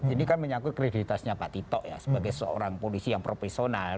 ini kan menyangkut kredititasnya pak tito ya sebagai seorang polisi yang profesional